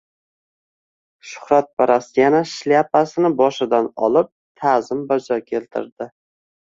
Shuhratparast yana shlyapasini boshidan olib ta’zim bajo keltirdi.